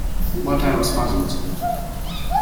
But I was puzzled.